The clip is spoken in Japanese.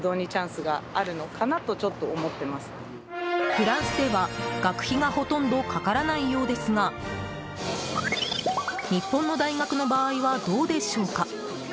フランスでは、学費がほとんどかからないようですが日本の大学の場合はどうでしょうか。